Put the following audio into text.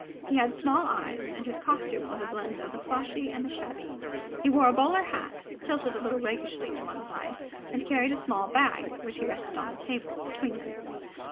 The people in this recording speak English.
He had small eyes, and his costume was a blend of the flashy and the shabby. He wore a bowler hat, tilted a little rakishly to one side, and carried a small bag, which he rested on the table between them.